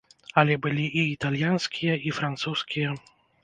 Але былі і італьянскія, і французскія.